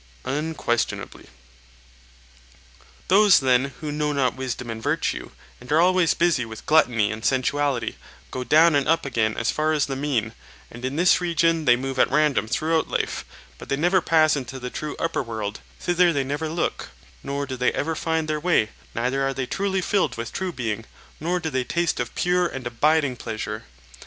Unquestionably. Those then who know not wisdom and virtue, and are always busy with gluttony and sensuality, go down and up again as far as the mean; and in this region they move at random throughout life, but they never pass into the true upper world; thither they neither look, nor do they ever find their way, neither are they truly filled with true being, nor do they taste of pure and abiding pleasure.